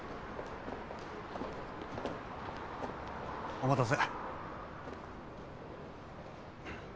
おまたせ。